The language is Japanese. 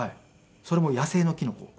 それも野生のキノコ。